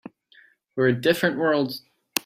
We're a different world.